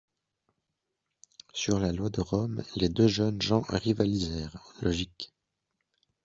Sur la loi de Rome, les deux jeunes gens rivalisèrent, logiques.